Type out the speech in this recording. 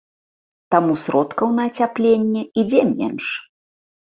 Таму сродкаў на ацяпленне ідзе менш.